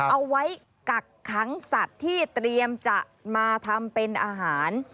เอาไว้กักขังสัตว์ที่เตรียมจะมาทำเป็นอาหาร